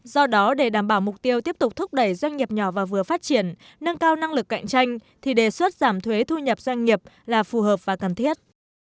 do đó để đảm bảo mục tiêu tiếp tục thúc đẩy doanh nghiệp nhỏ và vừa phát triển nâng cao năng lực cạnh tranh thì đề xuất giảm thuế thu nhập doanh nghiệp là phù hợp và cần thiết